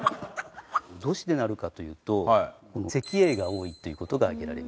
どうして鳴るかというとこの石英が多いという事が挙げられます。